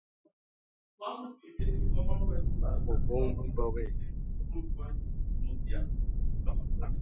O bóng-be m'bogué!